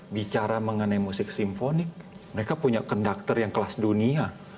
bicara mengenai musik simfonik mereka punya conductor yang kelas dunia